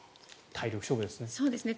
体力勝負ですね。